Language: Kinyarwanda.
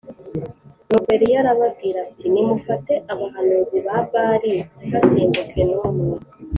Nuko Eliya arababwira ati “Nimufate abahanuzi ba Bāli, ntihasimbuke n’umwe”